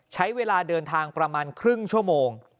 ใช้เวลาเดินทางประมาณครึ่งชั่วโมง